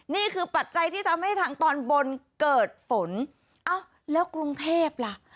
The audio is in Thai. ปัจจัยที่ทำให้ทางตอนบนเกิดฝนเอ้าแล้วกรุงเทพล่ะ